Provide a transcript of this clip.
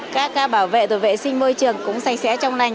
các ca bảo vệ tổ vệ sinh môi trường cũng sạch sẽ trong lành